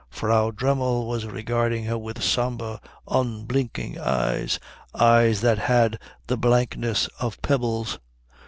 Frau Dremmel was regarding her with sombre, unblinking eyes, eyes that had the blankness of pebbles.